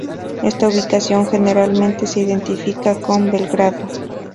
Esta ubicación generalmente se identifica con Belgrado.